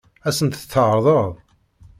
Ad sent-tt-tɛeṛḍeḍ?